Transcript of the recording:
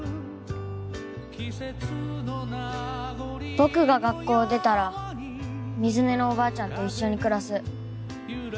僕が学校出たら水根のおばあちゃんと一緒に暮らす。